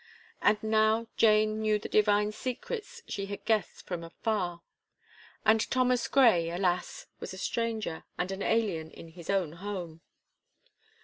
And now Jane knew the divine secrets she had guessed from afar, and Thomas Gray, alas! was a stranger and an alien in his own home.